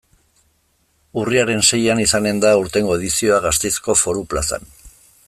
Urriaren seian izanen da aurtengo edizioa, Gasteizko Foru Plazan.